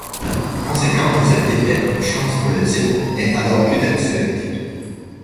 Conséquence de cette défaite, une chance pour le titre n'est alors plus d'actualité.